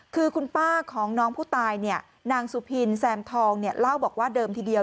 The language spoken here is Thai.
คือคุณป้าของน้องผู้ตายเนี่ยนางสุพินแซมทองเล่าบอกว่าเดิมทีเดียว